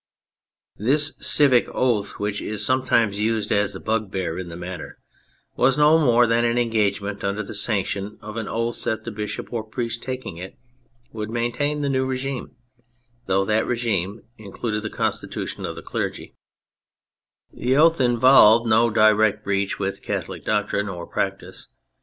This Civic Oath, which is sometimes used as a bugbear in the matter, was no more than an engagement under the sanction of an oath that the bishop or priest taking it would maintain the new regime — though that rdgime included the constitution of the clergy; the oath involved THE CATHOLIC CHURCH 241 no direct breach with Catholic doctrine or practice.